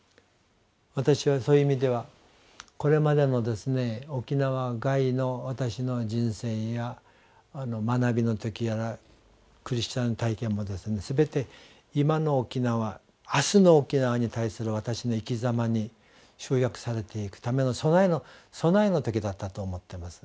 私はそういう意味ではこれまでもですね沖縄外の私の人生や学びの時やらクリスチャン体験も全て今の沖縄明日の沖縄に対する私の生きざまに集約されていくための備えの時だったと思ってます。